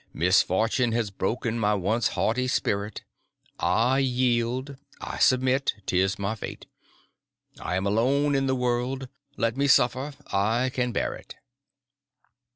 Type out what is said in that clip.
Misfortune has broken my once haughty spirit; I yield, I submit; 'tis my fate. I am alone in the world—let me suffer; can bear it."